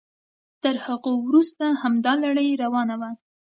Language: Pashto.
تر هغوی وروسته همدا لړۍ روانه وه.